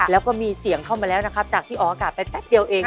แล้วก็มีเสียงเข้ามาแล้วจากที่อ๋อกลาดไปแป๊๊บเดียวเอง